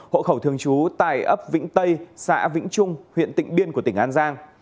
hộ khẩu thường trú tại ấp vĩnh tây xã vĩnh trung huyện tịnh biên của tỉnh an giang